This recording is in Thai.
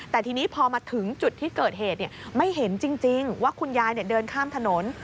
แต่ทีนี้พอมาถึงจุดที่เกิดเหตุไม่เห็นจริงว่าคุณยายเดินข้ามถนน